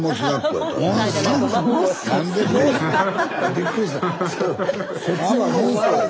びっくりした。